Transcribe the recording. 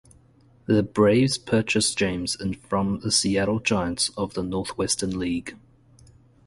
The Braves purchased James in from the Seattle Giants of the Northwestern League.